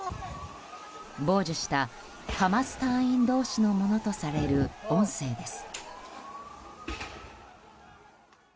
傍受したハマス隊員同士のものとされる音声です。